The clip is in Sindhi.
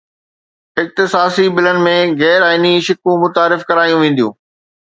اختصاصي بلن ۾ غير آئيني شقون متعارف ڪرايون وينديون